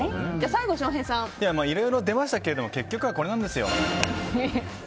いろいろ出ましたけど結局はこれなんですよ。